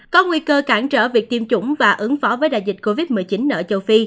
có nguy cơ cản trở việc tiêm chủng và ứng phó với đại dịch covid một mươi chín ở châu phi